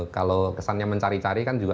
kalau kesannya mencari cari kan juga